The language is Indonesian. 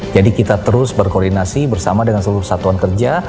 jadi kita terus berkoordinasi bersama dengan seluruh satuan kerja